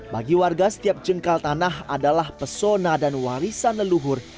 bagi warga setiap jengkal tanah adalah pesona dan warisan leluhur